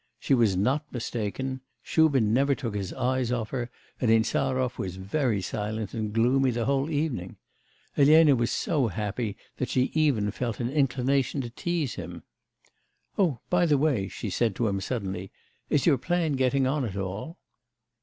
She was not mistaken; Shubin never took his eyes off her, and Insarov was very silent and gloomy the whole evening. Elena was so happy that she even felt an inclination to tease him. 'Oh, by the way,' she said to him suddenly, 'is your plan getting on at all?